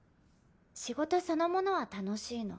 仕事そのものは楽しいの。